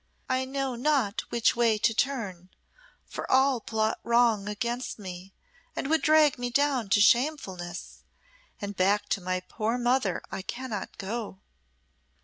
I know not which way to turn, for all plot wrong against me, and would drag me down to shamefulness and back to my poor mother I cannot go."